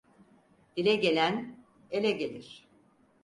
Dile gelen ele gelir.